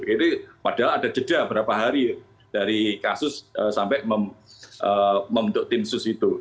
jadi padahal ada jeda beberapa hari dari kasus sampai membentuk tim khusus itu